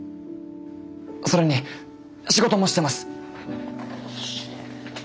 それに仕事もしてます！